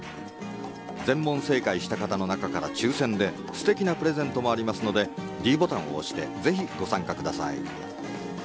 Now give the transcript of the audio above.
全問正解した方の中から抽選で素敵なプレゼントもありますのでｄボタンを押してぜひご参加ください。